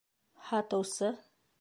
Һатыусы: